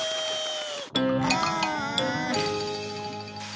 ああ。